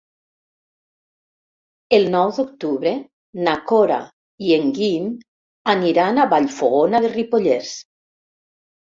El nou d'octubre na Cora i en Guim aniran a Vallfogona de Ripollès.